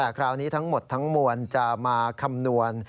แต่คราวนี้ทั้งหมดทั้งมวลจะมาคำนวณ